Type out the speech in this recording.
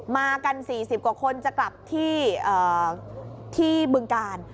มากัน๔๐กว่าคนจะกลับที่บึงกาล